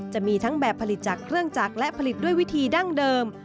จะมีทั้งแบบผลิตจากเครื่องจักรและผลิตด้วยวิธีดั้งเดิม